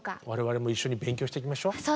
我々も一緒に勉強していきましょう。